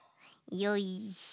よいしょ。